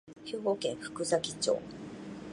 兵庫県福崎町